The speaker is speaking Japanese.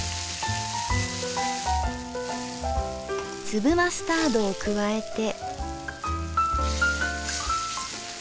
粒マスタードを加えて。